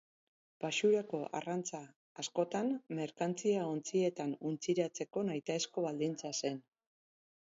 Baxurako arrantza askotan merkantzia-ontzietan untziratzeko nahitaezko baldintza zen.